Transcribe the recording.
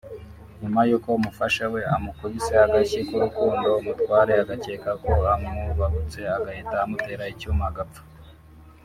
nyuma yuko umufasha we amukubise agashyi k’urukundo umutware agacyeka ko amwubahutse agahita amutera icyuma arapfa